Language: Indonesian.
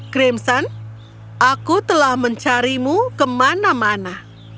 crimson aku telah mencarimu kemana mana